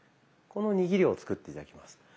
この握りを作って頂きます。